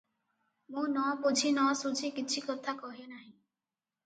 ମୁଁ ନବୁଝି ନସୁଝି କଛି କଥା କହେ ନାହିଁ ।